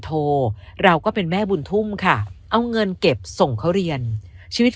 โทรเราก็เป็นแม่บุญทุ่มค่ะเอาเงินเก็บส่งเขาเรียนชีวิต